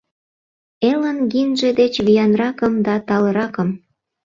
Элын гимнже деч виянракым да талыракым.